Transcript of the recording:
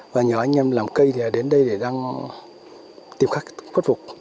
và nhóm anh em làm cây thì đến đây để tìm khách phát phục